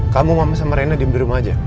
kamu mama sama renny di rumah aja